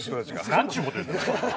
何ちゅうこと言うんだよ。